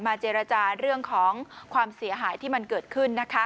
เจรจาเรื่องของความเสียหายที่มันเกิดขึ้นนะคะ